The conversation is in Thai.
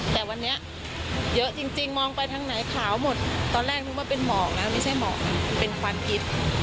แต่วันนี้เยอะจริงมองไปทางไหนขาวหมดตอนแรกนึกว่าเป็นหมอกนะไม่ใช่หมอกเป็นควันพิษ